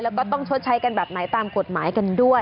แล้วก็ต้องชดใช้กันแบบไหนตามกฎหมายกันด้วย